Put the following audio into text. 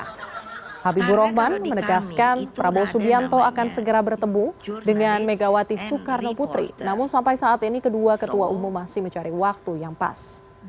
habibur rahman menegaskan prabowo subianto akan segera bertemu dengan megawati soekarno putri namun sampai saat ini kedua ketua umum masih mencari waktu yang pas